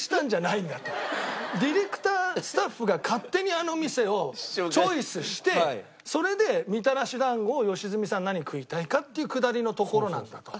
ディレクタースタッフが勝手にあの店をチョイスしてそれでみたらし団子を良純さん何食いたいか？っていうくだりのところなんだと。